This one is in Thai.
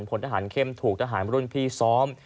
พลทหารเข้มถูกทหารรุ่นพี่ซ้อม